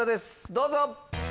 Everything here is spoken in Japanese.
どうぞ！